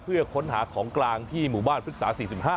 เพื่อค้นหาของกลางที่หมู่บ้านพฤกษา๔๕